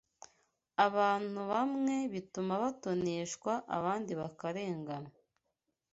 abantu bamwe bituma batoneshwa abandi bakarenganywa